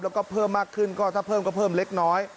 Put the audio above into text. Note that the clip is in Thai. แล้วก็เพิ่มมากขึ้นก็ถ้าเพิ่มก็เพิ่มเล็กน้อย